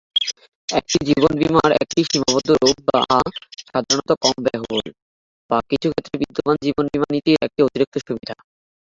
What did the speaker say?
এটি জীবন বীমার একটি সীমাবদ্ধ রূপ যা সাধারণত কম ব্যয়বহুল, বা কিছু ক্ষেত্রে বিদ্যমান জীবন বীমা নীতির একটি অতিরিক্ত সুবিধা।